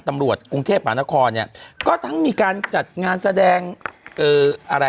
กรุงเทพหมานครเนี่ยก็ทั้งมีการจัดงานแสดงเอ่ออะไร